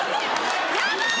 ヤバい！